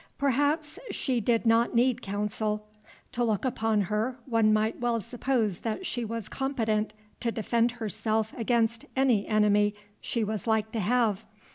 Perhaps she did not need counsel. To look upon her, one might well suppose that she was competent to defend herself against any enemy she was like to have.